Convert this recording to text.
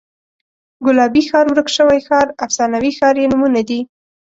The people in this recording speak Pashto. ګلابي ښار، ورک شوی ښار، افسانوي ښار یې نومونه دي.